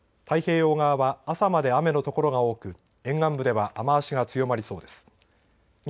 太平洋側は朝まで雨の所が多く沿岸部では雨足が強まりそうです。